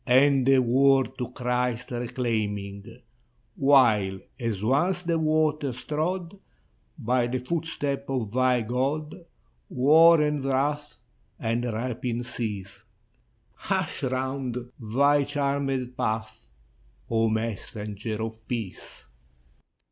And the world to Christ reclaiming: While, as once the waters trod By the footsteps of thy God, War and wrath and rapine cease, Hush'd round thy charmed path, O Messenger of Peace!